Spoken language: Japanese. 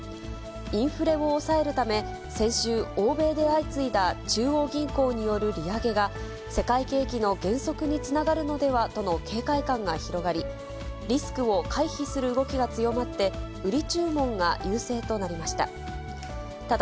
インフレを抑えるため、先週、欧米で相次いだ中央銀行による利上げが、世界景気の減速につながるのではとの警戒感が広がり、リスクを回避する動きが強まって、売り注文が優勢となりました。